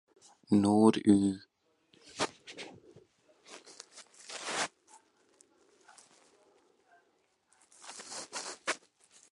Nod y gwarchodlu oedd hyfforddi menywod i wasanaethu mewn unrhyw argyfwng cenedlaethol.